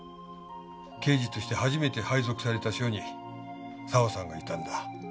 刑事として初めて配属された署に沢さんがいたんだ。